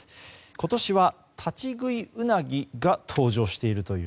今年は立ち食いうなぎが登場しているという。